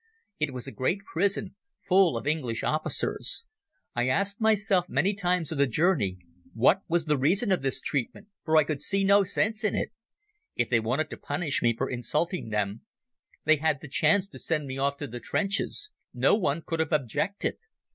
It was a great prison, full of English officers ... I asked myself many times on the journey what was the reason of this treatment, for I could see no sense in it. If they wanted to punish me for insulting them they had the chance to send me off to the trenches. No one could have objected.